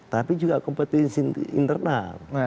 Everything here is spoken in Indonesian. tapi juga kompetisi internal